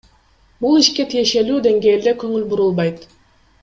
Бул ишке тиешелуу денгээлде конул бурулбайт.